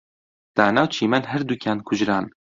دانا و چیمەن هەردووکیان کوژران.